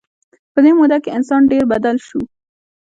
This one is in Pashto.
په دې موده کې انسان ډېر بدل شو.